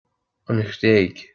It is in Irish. An Ghréig